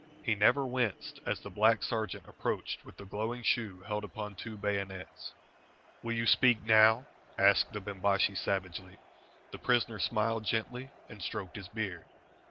He never winced as the black sergeant approached with the glowing shoe held upon two bayonets. "Will you speak now?" asked the Bimbashi, savagely. The prisoner smiled gently and stroked his beard.